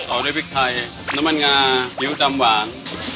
เสาด้วยพริกไทยน้ำมันงาซีอิ๊วจำหวาน